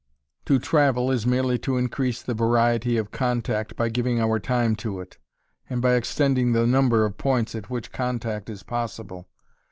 To travel is merely to increase the variety of contact by giving our time to it, and by extending the number of points at which contact is possible.